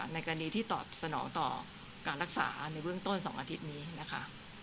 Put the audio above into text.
อันนี้เป็นอันนี้ที่สนองต่อการรักษาในเรื่องต้น๒อาทิตย์นี้นะคะ